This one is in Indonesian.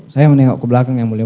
saya menengok ke belakang yang mulia